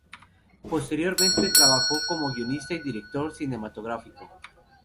Posteriormente, trabajó como guionista y como director cinematográfico.